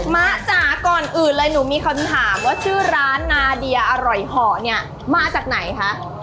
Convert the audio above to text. มะจ๋าก่อนอื่นเลยหนูมีคำถามว่าชื่อร้านนาเดียอร่อยห่อเนี่ยมาจากไหนคะ